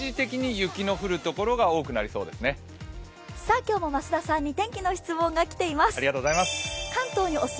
今日も増田さんに天気の質問が来ています。